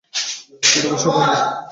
উনি অবশ্যই পারবে!